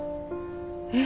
えっ？